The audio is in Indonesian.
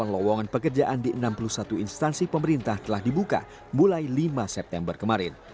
tujuh belas sembilan ratus dua puluh delapan lowongan pekerjaan di enam puluh satu instansi pemerintah telah dibuka mulai lima september kemarin